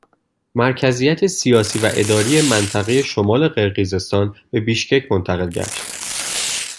مرکزیت سیاسی و اداری منطقه شمال قرقیزستان به بیشکک منتقل گشت